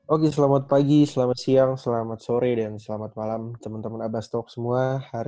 oke selamat pagi selamat siang selamat sore dan selamat malam temen temen abastalk semua